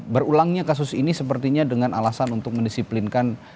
berulangnya kasus ini sepertinya dengan alasan untuk mendisiplinkan